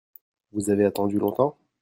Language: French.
Vous avez attendu longtemps ?